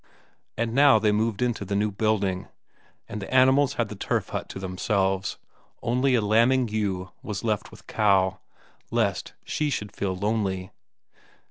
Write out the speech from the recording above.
And now they moved into the new building, and the animals had the turf hut to themselves, only a lambing ewe was left with Cow, lest she should feel lonely.